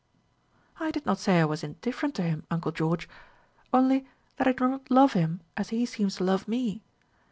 "I did not say I was indifferent to him, uncle George; only that I do not love him as he seems to love me.